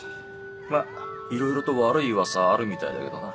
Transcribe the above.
まぁいろいろと悪いウワサあるみたいだけどな。